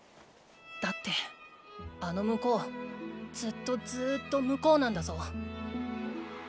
だってあの向こうずっとずっと向こうなんだぞ。